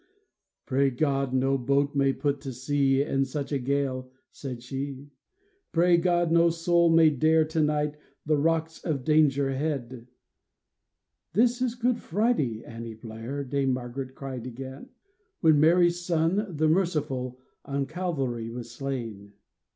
*' Pray God no boat may put to sea In such a gale !" she said ;*' Pray God no soul may dare to night The rocks of Danger Head !" 360 EASTER MORNING " This is Good Friday, Annie Blair," Dame Margaret cried again, '' When Mary's Son, the Merciful, On Calvary was slain.